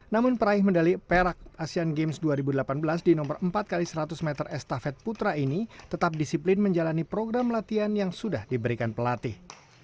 namun peraih medali perak asean games dua ribu delapan belas di nomor empat x seratus meter estafet putra ini tetap disiplin menjalani program latihan yang sudah diberikan pelatih